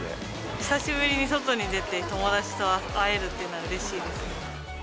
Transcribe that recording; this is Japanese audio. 久しぶりに外に出て、友達と会えるっていうのはうれしいですね。